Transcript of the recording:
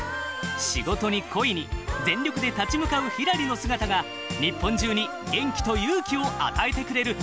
仕事に恋に全力で立ち向かうひらりの姿が日本中に元気と勇気を与えてくれる。